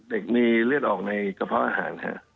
เด็กมีเลือดออกในกระเพาะอาหารครับ